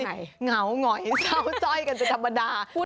เหงาเหง่อยเศร้าจ้อยกันเหมือนธรรมดา